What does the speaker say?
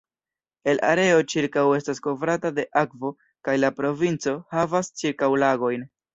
El areo ĉirkaŭ estas kovrata de akvo kaj la provinco havas ĉirkaŭ lagojn.